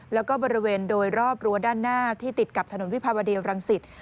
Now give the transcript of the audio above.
แล้วก็บริเวณโดยรอบรั้วด้านหน้าที่ติดกับถนนวิภาวดีรังสิต